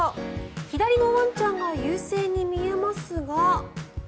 左のワンちゃんが優勢に見えますが。